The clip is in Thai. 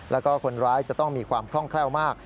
แล้วก็คนร้ายจะต้องมีความคล่องแคล่วมาก